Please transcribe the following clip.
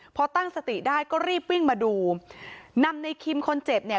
พอตั้งสติได้ก็รีบวิ่งมาดูนำในคิมคนเจ็บเนี่ย